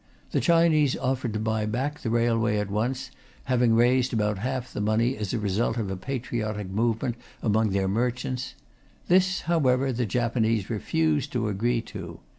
The Chinese offered to buy back the railway at once, having raised about half the money as a result of a patriotic movement among their merchants. This, however, the Japanese refused to agree to.